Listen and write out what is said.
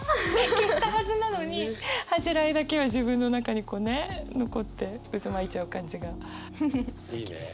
消したはずなのに恥じらいだけは自分の中にこうね残って渦巻いちゃう感じがすてきです。